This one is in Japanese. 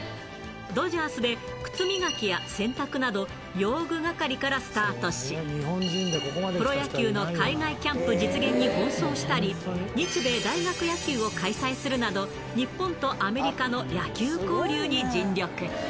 ドジャースで靴磨きや洗濯など、用具係からスタートし、プロ野球の海外キャンプ実現に奔走したり、日米大学野球を開催するなど、日本とアメリカの野球交流に尽力。